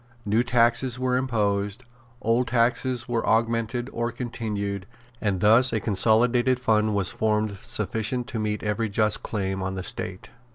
New taxes were imposed; old taxes were augmented or continued; and thus a consolidated fund was formed sufficient to meet every just claim on the State.